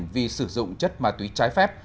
vì sử dụng chất ma túy trái phép